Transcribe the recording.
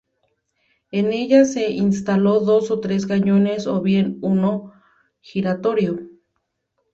En ellas se instaló dos o tres cañones, o bien uno giratorio.